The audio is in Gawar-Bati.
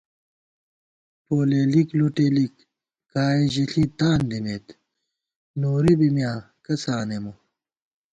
پولېلِک لُٹېلِک کائے ژِݪی تان دِمېت، نوری بی میاں کسہ آنېمہ